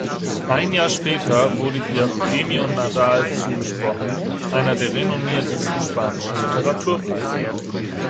Ein Jahr später wurde ihr der Premio Nadal zugesprochen, einer der renommiertesten spanischen Literaturpreise.